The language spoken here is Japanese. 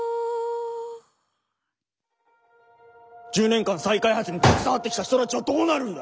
１０年間再開発に携わってきた人たちはどうなるんだ！